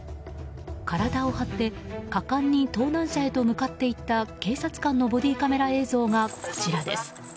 体を張って果敢に盗難車へと向かっていった警察官のボディーカメラ映像がこちらです。